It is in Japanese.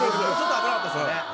危なかったですよね。